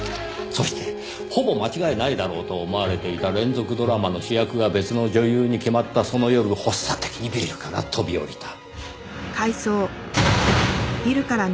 そしてほぼ間違いないだろうと思われていた連続ドラマの主役が別の女優に決まったその夜発作的にビルから飛び降りた。